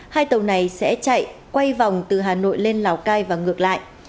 hai tàu này sẽ chạy quay vòng từ hà nội lên lào cai và ngược lại